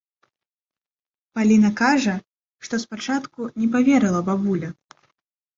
Паліна кажа, што спачатку не паверыла бабулі.